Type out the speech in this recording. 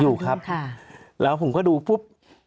อยู่ครับค่ะแล้วผมก็ดูปุ๊บ